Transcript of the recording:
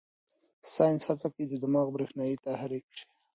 ساینس هڅه کوي دماغ برېښنايي تحریک کړي.